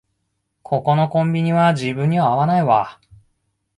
ここのコンビニは自分には合わないわ